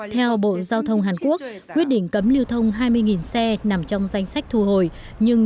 theo bộ giao thông hàn quốc quyết định cấm lưu thông hai mươi xe nằm trong danh sách thu hồi nhưng